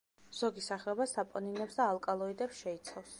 ზოგი სახეობა საპონინებს და ალკალოიდებს შეიცავს.